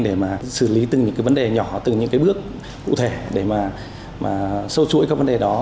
để xử lý từng vấn đề nhỏ từng bước cụ thể để sâu chuỗi các vấn đề đó